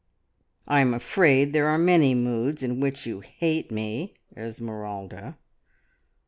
"I am afraid there are many moods in which you `hate' me, Esmeralda."